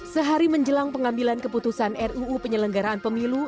sehari menjelang pengambilan keputusan ruu penyelenggaraan pemilu